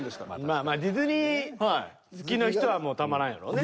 まあまあディズニー好きの人はもうたまらんやろうね。